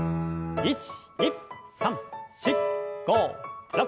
１２３４５６。